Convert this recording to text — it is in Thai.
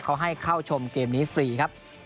เขาให้เข้าชมเกมนี้ฟรีครับ